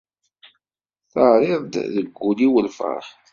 Terriḍ-d deg wul-iw lferḥ.